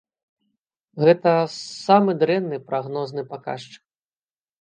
Гэта самы дрэнны прагнозны паказчык.